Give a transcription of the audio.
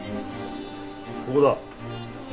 ここだ。